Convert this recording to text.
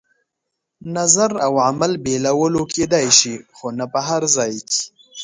نظر او عمل بېلولو کېدای شي، خو نه په هر ځای کې.